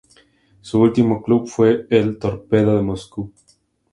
Su último club fue el Torpedo de Moscú.